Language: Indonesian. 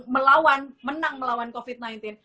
melawan menang melawan covid sembilan belas